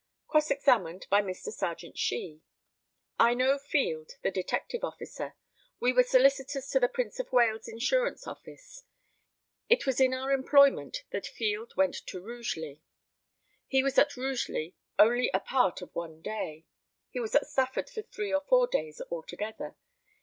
Cross examined by Mr. Serjeant SHEE: I know Field, the detective officer. We were solicitors to the Prince of Wales Insurance office. It was in our employment that Field went to Rugeley. He was at Rugeley only a part of one day. He was at Stafford for three or four days altogether.